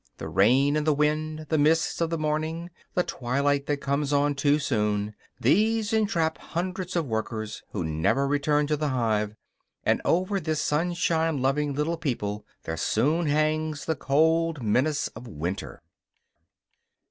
The rain and the wind, the mists of the morning, the twilight that comes on too soon these entrap hundreds of workers who never return to the hive; and over this sunshine loving little people there soon hangs the cold menace of winter.